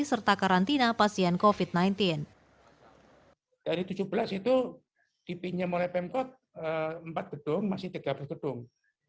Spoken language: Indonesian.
serta karantina pasien covid sembilan belas dari tujuh belas itu dipinjam oleh pemkot empat gedung masih tiga belas gedung